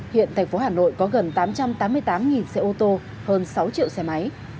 hiện thành phố hà nội có gần tám trăm tám mươi tám xe ô tô hơn sáu triệu xe máy